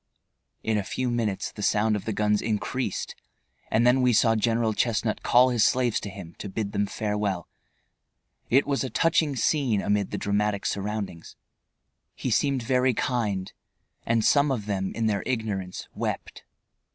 In a few minutes the sound of the guns increased, and then we saw General Chestnut call his slaves to him to bid them farewell. It was a touching scene, amid the dramatic surroundings. He seemed very kind, and some of them in their ignorance wept.